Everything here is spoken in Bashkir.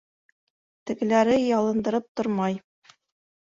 Тегеләре ялындырып тормай.